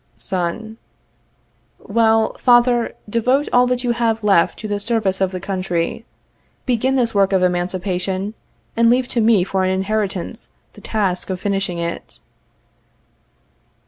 Son. Well, father, devote all that you have left to the service of the country. Begin this work of emancipation, and leave to me for an inheritance the task of finishing it.